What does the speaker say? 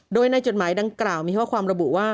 โดยในจดหมายดังกล่าวมีข้อความระบุว่า